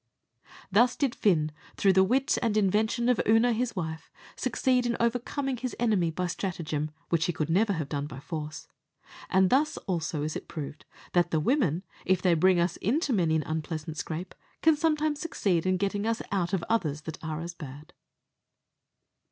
Thus did Fin, through the wit and invention of Oonagh, his wife, succeed in overcoming his enemy by stratagem, which he never could have done by force: and thus also is it proved that the women, if they bring us into many an unpleasant scrape, can sometimes succeed in getting us out of others that are as bad.